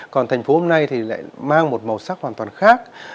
còn thành phố hôm nay thì lại mang một màu sắc hoàn toàn khác